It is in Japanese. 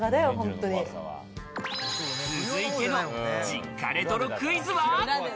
続いての実家レトロクイズは。